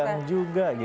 deg degan juga gitu